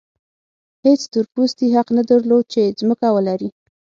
هېڅ تور پوستي حق نه درلود چې ځمکه ولري.